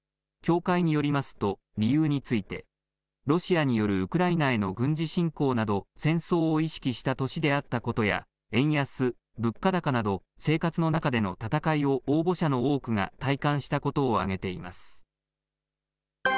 協会によりますと、理由について、ロシアによるウクライナへの軍事侵攻など、戦争を意識した年であったことや、円安・物価高など、生活の中での戦いを応募者の多くが体感したことを挙げています。